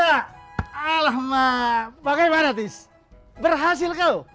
ah alhamdulillah bagaimana tis berhasil kau